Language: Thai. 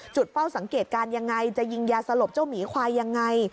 เฝ้าสังเกตการณ์ยังไงจะยิงยาสลบเจ้าหมีควายยังไง